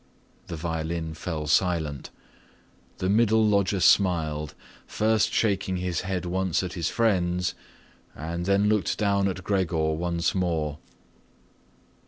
The violin fell silent. The middle lodger smiled, first shaking his head once at his friends, and then looked down at Gregor once more.